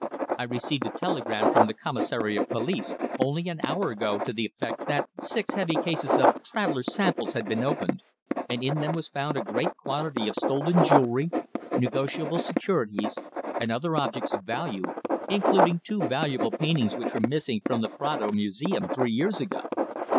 I received a telegram from the Commissary of Police only an hour ago to the effect that six heavy cases of 'travellers' samples' had been opened, and in them was found a great quantity of stolen jewellery, negotiable securities, and other objects of value, including two valuable paintings which were missing from the Prado Museum three years ago."